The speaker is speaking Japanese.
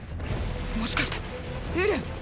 もしかしてエレン？